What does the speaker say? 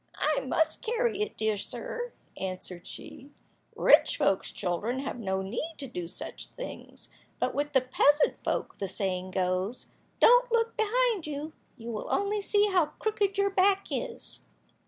"I must carry it, dear sir," answered she, "rich folk's children have no need to do such things, but with the peasant folk the saying goes, don't look behind you, you will only see how crooked your back is!"